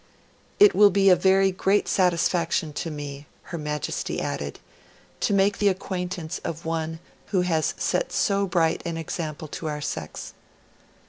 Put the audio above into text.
'It will be a very great satisfaction to me,' Her Majesty added, 'to make the acquaintance of one who has set so bright an example to our sex.'